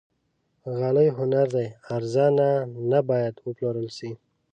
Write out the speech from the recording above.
غالۍ هنر دی، ارزانه نه باید وپلورل شي.